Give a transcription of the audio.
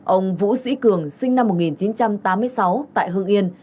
ông vũ sĩ cường sinh năm một nghìn chín trăm tám mươi sáu tại hương yên